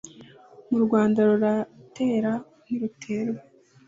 mu Rwanda ruratera ntiruterwa